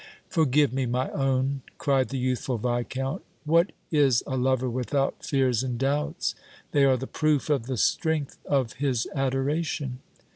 "Forgive me, my own!" cried the youthful Viscount. "What is a lover without fears and doubts? They are the proof of the strength of his adoration!"